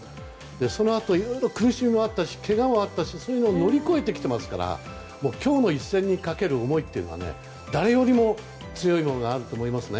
そのあと、いろいろ苦しみもあったしけがもあったしそういうのを乗り越えてきているので今日の一戦にかける思いは誰よりも強いものがあると思いますね。